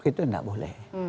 itu tidak boleh